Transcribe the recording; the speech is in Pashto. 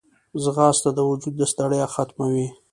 ځغاسته د وجود ستړیا ختموي